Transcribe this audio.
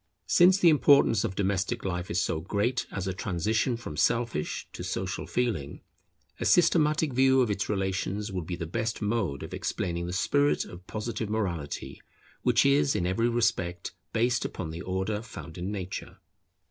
Since the importance of domestic life is so great as a transition from selfish to social feeling, a systematic view of its relations will be the best mode of explaining the spirit of Positive morality, which is in every respect based upon the order found in nature.